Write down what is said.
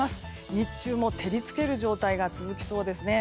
日中も照り付ける状態が続きそうですね。